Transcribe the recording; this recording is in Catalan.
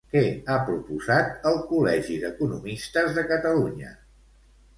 Què ha proposat el Col·legi d'Economistes de Catalunya?